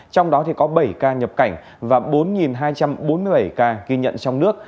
trong đó có bảy ca nhập cảnh và bốn hai trăm bốn mươi bảy ca ghi nhận trong nước